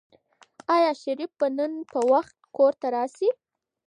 آیا شریف به نن په وخت کور ته راشي؟